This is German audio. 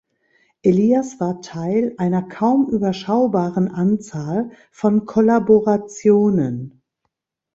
Elias war Teil einer kaum überschaubaren Anzahl von Kollaborationen.